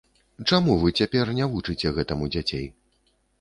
Чаму вы цяпер не вучыце гэтаму дзяцей?